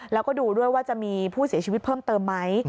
แล้วก็ดูด้วยว่าจะมีผู้เสียชีวิตเพิ่มเติมไหม